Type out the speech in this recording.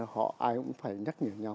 họ ai cũng phải nhắc nhở nhau